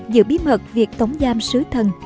giữ bí mật việc tống giam sứ thần